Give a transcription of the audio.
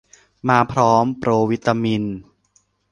มาพร้อมโปรวิตามิน